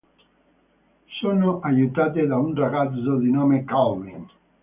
Sono aiutate da un ragazzo di nome Calvin.